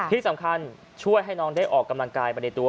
ที่สำคัญช่วยให้น้องได้ออกกำลังกายไปในตัว